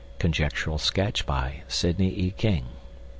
(Conjectural sketch by Sidney E. King.)